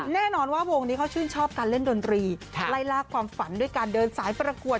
แน่นอนว่าวงนี้เขาชื่นชอบการเล่นดนตรีไล่ลากความฝันด้วยการเดินสายประกวด